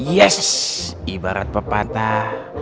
yes ibarat pepatah